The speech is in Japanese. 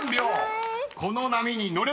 この波に乗れるか］